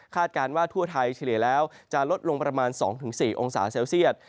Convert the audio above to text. การว่าทั่วไทยเฉลี่ยแล้วจะลดลงประมาณ๒๔องศาเซลเซียต